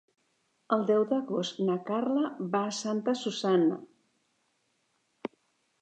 El deu d'agost na Carla va a Santa Susanna.